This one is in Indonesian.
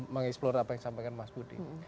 mengeksplore apa yang disampaikan mas budi